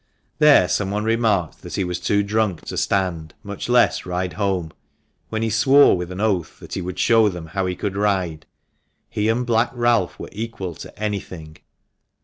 There some one remarked that he was too drunk to stand, much less ride home, when he swore with an oath that he would show them how he could ride ; he and Black Ralph were equal to anything.